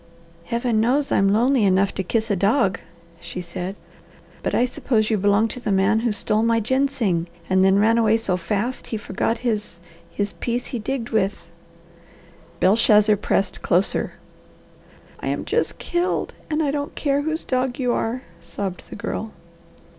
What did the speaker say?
"Heaven knows I'm lonely enough to kiss a dog," she said, "but suppose you belong to the man who stole my ginseng, and then ran away so fast he forgot his his piece he digged with." Belshazzar pressed closer. "I am just killed, and I don't care whose dog you are," sobbed the girl.